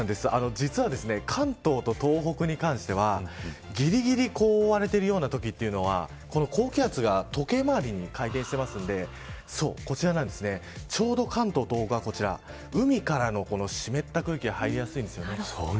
実は、関東と東北に関してはぎりぎり覆われているようなときというのはこの高気圧が時計回りに回転しているのでちょうど関東、東北はこちら海からの湿った空気が入りやすいんです。